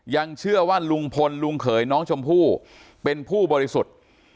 ยังเชื่อว่าลุงพลลุงเขยน้องชมพู่เป็นผู้บริสุทธิ์